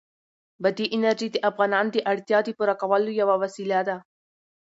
بادي انرژي د افغانانو د اړتیاوو د پوره کولو یوه وسیله ده.